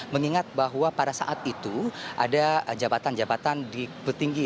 mengingat bahwa pada saat itu ada jabatan jabatan di petinggi